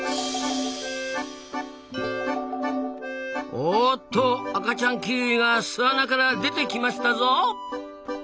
おっと赤ちゃんキーウィが巣穴から出てきましたぞ！